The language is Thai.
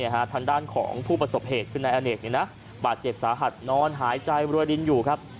ทางด้านของผู้ประสบเหตุคือนายอเนกบาดเจ็บสาหัสนอนหายใจรวยดินอยู่ครับ